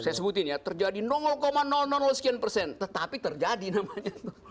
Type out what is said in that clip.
saya sebutin ya terjadi sekian persen tetapi terjadi namanya